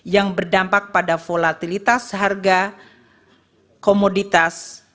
yang berdampak pada volatilitas harga komoditas